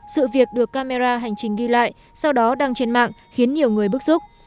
sự việc được camera hành trình ghi lại sau đó đăng trên mạng khiến nhiều người bức xúc